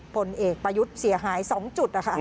ผลเอกประยุทธ์เสียหาย๒จุดนะคะ